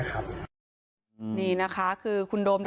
ท่านเนท๔คือคุณโดม